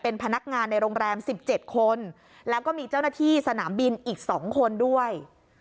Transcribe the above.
เป็นพนักงานในโรงแรม๑๗คนแล้วก็มีเจ้าหน้าที่สนามบินอีก๒คนด้วย